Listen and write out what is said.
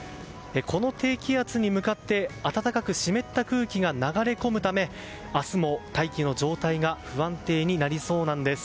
この低気圧に向かって暖かく湿った空気が流れ込むため明日も大気の状態が不安定になりそうなんです。